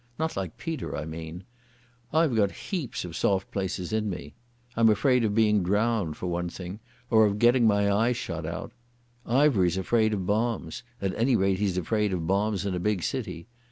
Not like Peter, I mean. I've got heaps of soft places in me. I'm afraid of being drowned for one thing, or of getting my eyes shot out. Ivery's afraid of bombs—at any rate he's afraid of bombs in a big city.